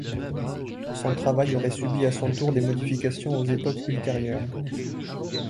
Son travail aurait subi à son tour des modifications aux époques ultérieures.